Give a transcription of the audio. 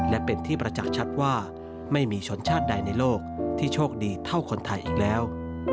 และเป็นที่ประจักษ์ชัดว่าไม่มีชนชาติใดในโลกที่โชคดีเท่าคนไทยอีกแล้ว